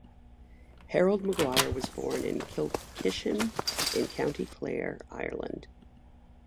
Harold Maguire was born in Kilkishen in County Clare, Ireland.